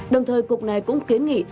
đồng thời cục này cũng kiến nghị